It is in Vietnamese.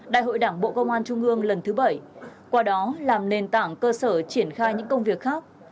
đại hội đảng bộ công an trung ương lần thứ bảy qua đó làm nền tảng cơ sở triển khai những công việc khác